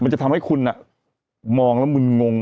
มันจะทำให้คุณอ่ะมองแล้วมึนงง